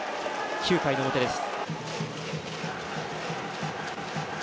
９回の表です。